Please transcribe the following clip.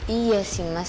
iya sih mas